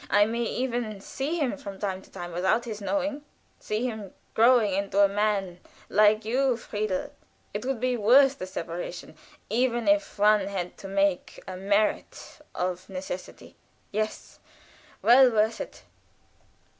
I may even see him from time to time without his knowing see him growing into a man like you, Friedel; it would be worth the separation, even if one had not to make a merit of necessity; yes, well worth it."